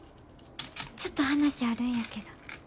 ちょっと話あるんやけど。